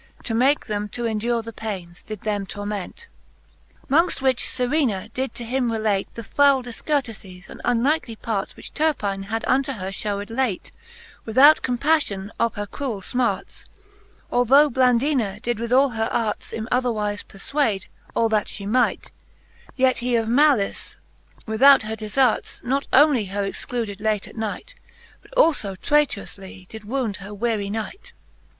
To make them to endure the pains, did them torment. Vol. III. O o XXXIII. Mongft 2.8 z T/?e fixthe Booke of Canto V. XXXIII. Mongft which, Serena did to him relate The foule difcourt'iies and unk nightly parts, Which Turpine had unto her fhewed late, Without compailion of her cruell fmarts, Although Blandina did with all her arts Him otherwife perfwade, all that fhe might; Yet he of malice, without her defarts, Not onely her excluded late at night, But alfo trayteroufly did wound her weary Knight.